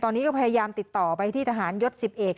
ตอนนี้ก็พยายามติดต่อไปที่ทหารยศ๑๐เอก